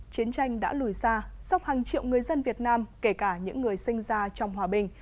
chiến tranh đã lùi xa sóc hàng triệu người dân việt nam kể cả những người sinh ra trong hòa bình